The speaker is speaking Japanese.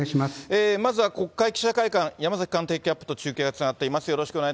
まずは国会記者会館、山崎官邸キャップと中継がつながっています。